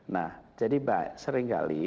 nah jadi seringkali